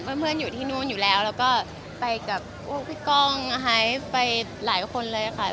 เพื่อนอยู่ที่นู่นอยู่แล้วแล้วก็ไปกับพี่ก้องไฮไปหลายคนเลยค่ะ